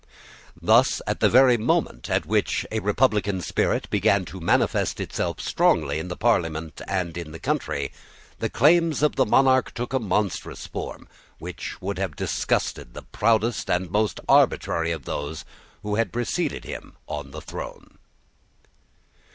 Thus, at the very moment at which a republican spirit began to manifest itself strongly in the Parliament and in the country, the claims of the monarch took a monstrous form which would have disgusted the proudest and most arbitrary of those who had preceded him on the throne.